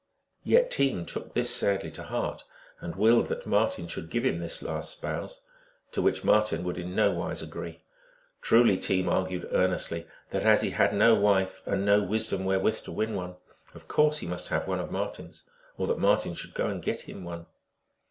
Yet Team took this sadly to heart, and willed that Marten should give him this last spouse, to which Marten would in nowise agree. Truly, Team argued earnestly that as he had no wife, and no wisdom wherewith to win one, of course he must have one of Marten s, or that Marten should go and get him one.